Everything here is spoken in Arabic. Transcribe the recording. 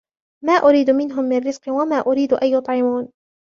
ما أريد منهم من رزق وما أريد أن يطعمون